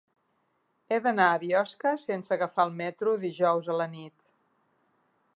He d'anar a Biosca sense agafar el metro dijous a la nit.